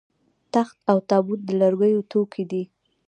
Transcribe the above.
تخت او تابوت د لرګیو توکي دي